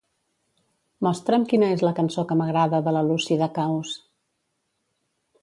Mostra'm quina és la cançó que m'agrada de la Lucy Dacaus.